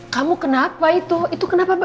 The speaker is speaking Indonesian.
kamu kenapa itu itu kenapa mbak